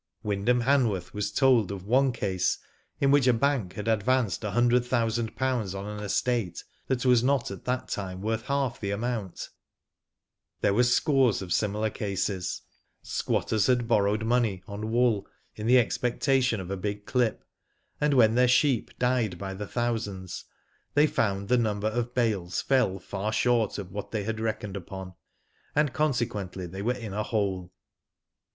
Wyndham Hanworth was told of one case in which a bank had advanced a hundred thousand pounds on an estate that was not at that time worth half the amount. There were scores of Digitized byGoogk SIGNS OF THE TIMES. 20J similar cases. Squatters had borrowed money on wool in the expectation of a big clip, and when their sheep died by thousands, they found the number of bales fell far short of what they had reckoned upon, and consequently they were in a hole.